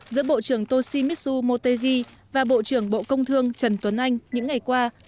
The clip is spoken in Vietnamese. giữa bộ trưởng toshimitsu motegi và bộ trưởng bộ công thương trần tuấn anh những ngày qua